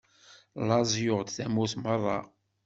Laẓ yuɣ-d tamurt meṛṛa.